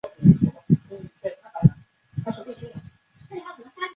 弘治二年入为顺天府尹。